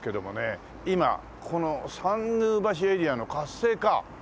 今この参宮橋エリアの活性化！？